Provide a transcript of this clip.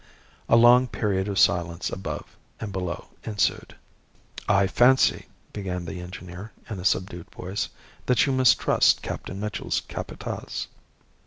A long period of silence above and below ensued. "I fancy," began the engineer, in a subdued voice, "that you mistrust Captain Mitchell's Capataz."